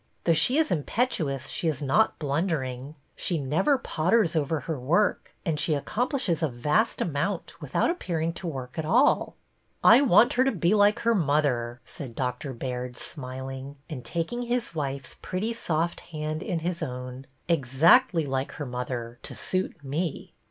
Though she is im petuous she is not blundering; she never potters over her work, and she accomplishes a vast amount without appearing to work at all." I want her to be like her mother," said Doctor Baird, smiling, and taking his wife's pretty soft hand in his own, — exactly like her mother, to suit me."